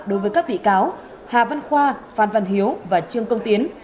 đối với các bị cáo hà văn khoa phan văn hiếu và trương công tiến